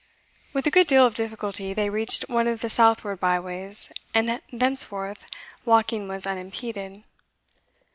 With a good deal of difficulty they reached one of the southward byways; and thenceforth walking was unimpeded.